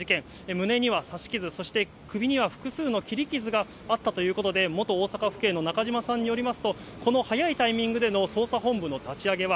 胸には刺し傷、そして首には複数の切り傷があったということで、元大阪府警のなかじまさんによりますと、この早いタイミングでの捜査本部の立ち上げは、